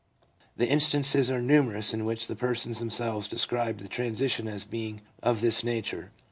The instances are numerous in which the persons themselves described the transition as being of this nature.